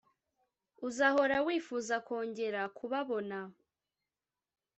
Uzahora wifuza kongera kubabona,